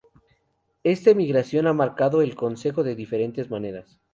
Esta emigración ha marcado el concejo de diferentes maneras.